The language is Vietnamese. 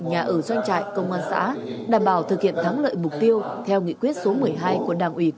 nhà ở doanh trại công an xã đảm bảo thực hiện thắng lợi mục tiêu theo nghị quyết số một mươi hai của đảng ủy